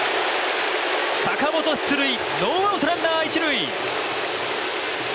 坂本、出塁ノーアウトランナー、一塁。